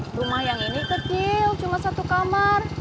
rumah yang ini kecil cuma satu kamar